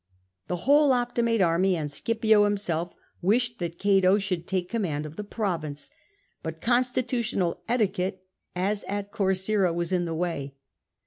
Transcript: The whole Optimate army, and Scipio himself, wished that Cato should take command of the province. But constitutional etiquette, as at Corcyra, was in the way.